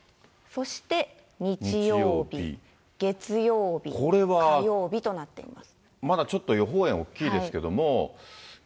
そして日曜日、月曜日、火曜日となっています。